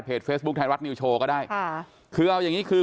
เฟซบุ๊คไทยรัฐนิวโชว์ก็ได้ค่ะคือเอาอย่างงี้คือ